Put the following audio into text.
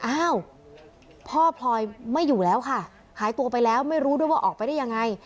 อ้าวพ่อพลอยไม่อยู่แล้วค่ะหายตัวไปแล้วไม่รู้ด้วยว่าออกไปได้ยังไง